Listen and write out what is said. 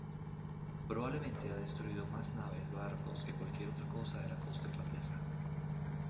Probablemente ha destruido más naves barcos que cualquier otra cosa de la costa irlandesa.